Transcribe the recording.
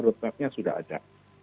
konsepnya sudah ada